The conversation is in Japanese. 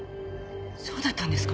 そうだったんですか？